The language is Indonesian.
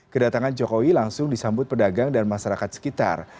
kedatangan jokowi langsung disambut pedagang dan masyarakat sekitar